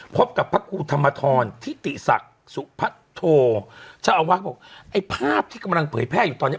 พบกับพระครูธรรมทรทิติศักดิ์สุพัทโทเจ้าอาวาสบอกไอ้ภาพที่กำลังเผยแพร่อยู่ตอนนี้